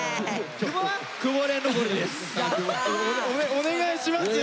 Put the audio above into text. お願いしますよ！